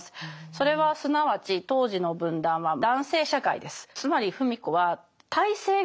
それはすなわち当時の文壇は男性社会です。